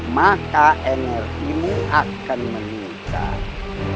maka energimu akan meningkat